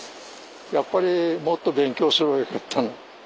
やっぱりもっと勉強すればよかったな。